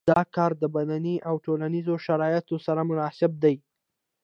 دا کار د بدني او ټولنیزو شرایطو سره مناسب نه دی.